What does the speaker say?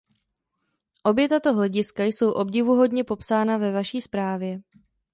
Obě tato hlediska jsou obdivuhodně popsána ve vaší zprávě.